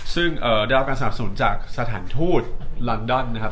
แล้วก็การสนับสนุนจากสถานทูตลอนดอนนะครับ